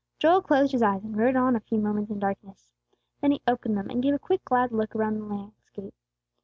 Joel closed his eyes, and rode on a few moments in darkness. Then he opened them and gave a quick glad look around the landscape.